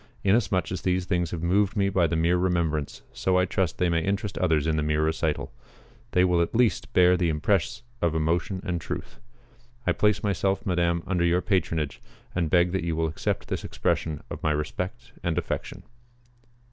Inasmuch as these things have moved me by the mere remembrance, so I trust they may interest others in the mere recital. They will at least bear the impress of emotion and truth. I place myself, Madame, under your patronage, and beg that you will accept this expression of my respect and affection.